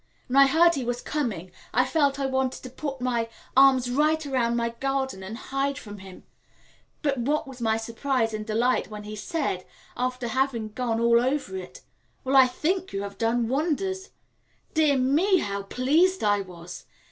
When I heard he was coming, I felt I wanted to put my arms right round my garden and hide it from him; but what was my surprise and delight when he said, after having gone all over it, "Well, I think you have done wonders." Dear me, how pleased I was!